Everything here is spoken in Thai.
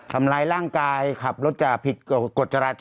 ทำร้ายร่างกายขับรถจะผิดกฎจราจร